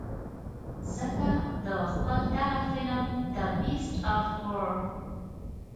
ځکه د خپل دغه فلم The Beast of War